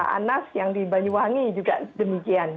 anas yang di banyuwangi juga demikian